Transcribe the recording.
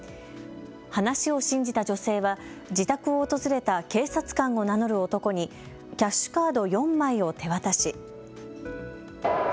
話を信じた女性は自宅を訪れた警察官を名乗る男にキャッシュカード４枚を手渡し。